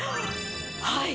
はい。